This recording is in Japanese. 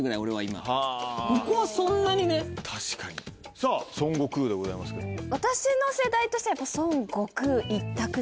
さぁ孫悟空でございますけども。